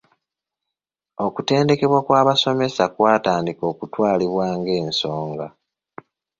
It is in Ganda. Okutendekebwa kw’abasomesa kwatandika okutwalibwa ng’ensonga.